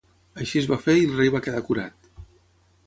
Així es va fer i el rei va quedar curat.